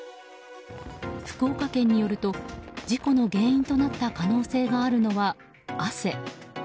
福岡県によると事故の原因となった可能性があるのは、汗。